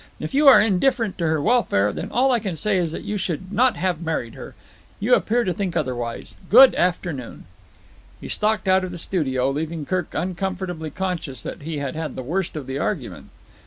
If you are indifferent to her welfare, then all I can say is that you should not have married her. You appear to think otherwise. Good afternoon." He stalked out of the studio, leaving Kirk uncomfortably conscious that he had had the worst of the argument.